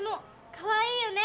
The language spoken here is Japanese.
かわいいよね！